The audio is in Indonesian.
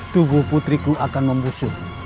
tubuh putriku akan membusuk